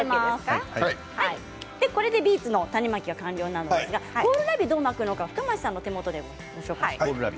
これでビーツの種まきが完了なんですがコールラビがどうなるのか深町さんの手元でご紹介します。